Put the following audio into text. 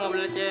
gak boleh leceh